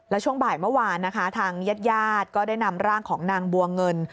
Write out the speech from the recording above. แล้วช่วงบ่ายเมื่อวานนะคะทางญาติญาติก็ได้นำร่างของนางบัวเงิน